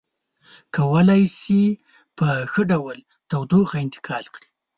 کولی شي په ښه ډول تودوخه انتقال کړي.